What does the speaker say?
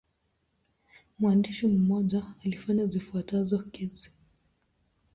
Mwandishi mmoja alifanya zifuatazo kesi.